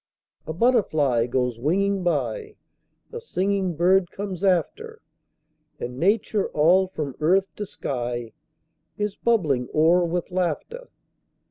A butterfly goes winging by; A singing bird comes after; And Nature, all from earth to sky, Is bubbling o'er with laughter.